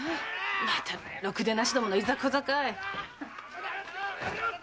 またろくでなしどものいざこざかい。